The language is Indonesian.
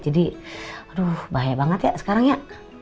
jadi aduh bahaya banget ya sekarang ya